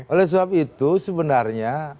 oleh sebab itu sebenarnya